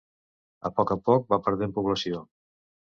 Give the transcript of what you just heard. A poc a poc va perdent població.